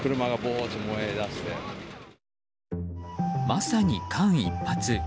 まさに間一髪。